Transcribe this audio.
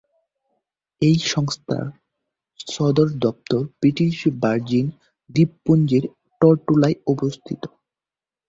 এই সংস্থার সদর দপ্তর ব্রিটিশ ভার্জিন দ্বীপপুঞ্জের টরটোলায় অবস্থিত।